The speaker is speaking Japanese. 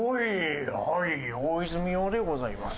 大泉洋でございます。